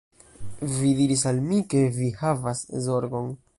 Vi diris al mi ke vi havas zorgon